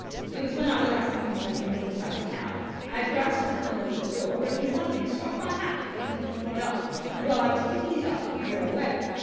"It was when I was asking him to let me look inside the cab. I had grasped the handle of the door, when he suddenly struck my hat, causing it to fly off. And, while I was picking it up, he drove away."